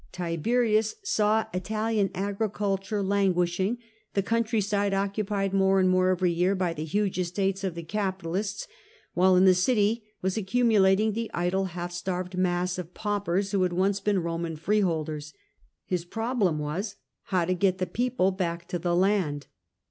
Tiberius saw Italian agriculture languishing, the country side occupied more and more every year by the huge estates of the capitalists, while in the city was accumu lating the idle, half starved mass of paupers who had once been Eoman freeholders. His problem was, how to get the people back to the land.